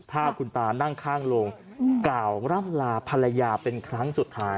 ภาพคุณตานั่งข้างโรงกล่าวร่ำลาภรรยาเป็นครั้งสุดท้าย